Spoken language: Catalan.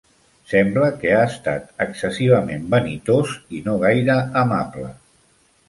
Sembla que ha estat excessivament vanitós i no gaire amable.